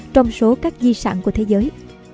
trong số các di sản của thế giới